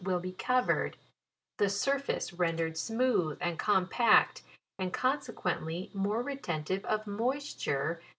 will be covered, the surface rendered smooth and compact, and consequently more retentive of moisture.